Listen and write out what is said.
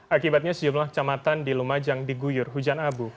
akibatnya sejumlah kecamatan di lumajang diguyur hujan abu